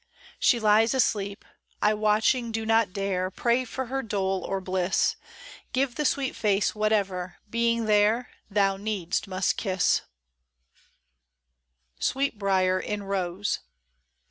SHE lies asleep : I, watching, do not dare Pray for her dole or bliss : Give the sweet face whatever, being there. Thou needs must kiss I SWEET BRIAR IN ROSE.